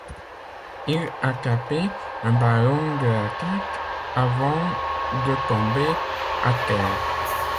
Il a tapé un ballon de la tête avant de tomber à terre.